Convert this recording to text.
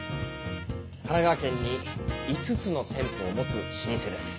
神奈川県に５つの店舗を持つ老舗です。